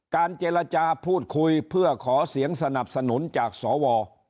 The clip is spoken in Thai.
เจรจาพูดคุยเพื่อขอเสียงสนับสนุนจากสว